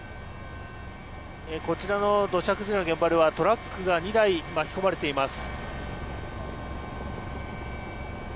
こちらの土砂崩れの現場ではトラックが２台巻き込まれています。